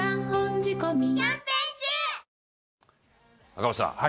赤星さん。